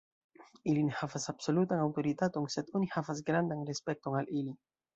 Ili ne havas absolutan aŭtoritaton, sed oni havas grandan respekton al ili.